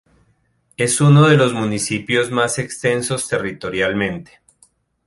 Es uno de los municipios más extensos territorialmente.